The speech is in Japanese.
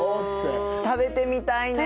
食べてみたいね。